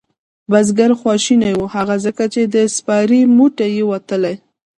بزگر خواشینی و هغه ځکه چې د سپارې موټۍ یې وتله.